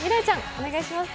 お願いします。